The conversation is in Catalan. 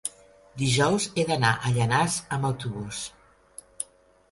dijous he d'anar a Llanars amb autobús.